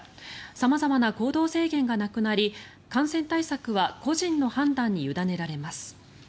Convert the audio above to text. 様々な行動制限がなくなり感染対策は個人の判断に委ねられます。